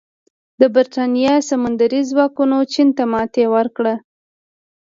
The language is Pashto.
د برېټانیا سمندري ځواکونو چین ته ماتې ورکړه.